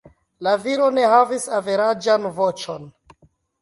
La viro ne havis averaĝan voĉon.